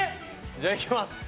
じゃあいきます。